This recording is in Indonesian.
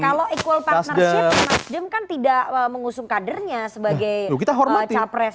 oke kalau equal partnership mas dem kan tidak mengusul kadernya sebagai capres